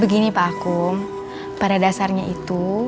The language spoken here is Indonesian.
begini pak akum pada dasarnya itu